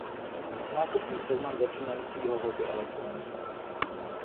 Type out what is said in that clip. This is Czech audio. Nákupní seznam začínajícího hobby elektronika